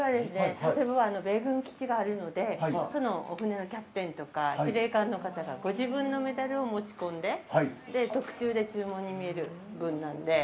佐世保は米軍基地があるので船のモチーフとか司令官の方がご自分のメダルを持ち込んで特注で注文の分なので。